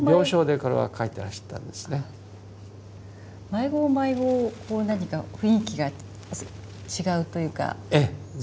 こう何か雰囲気が違うというか。